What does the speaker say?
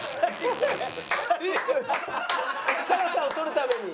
辛さを取るために。